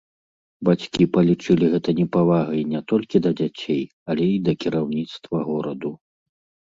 Бацькі палічылі гэта непавагай не толькі да дзяцей, але і да кіраўніцтва гораду.